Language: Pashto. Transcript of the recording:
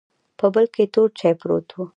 په بل کې تور چاې پروت و.